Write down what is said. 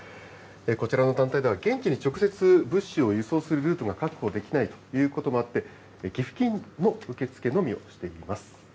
こちらの団体では、現地に直接物資を輸送するルートが確保できないということもあって、寄付金の受け付けのみをしています。